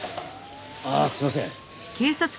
ああすいません。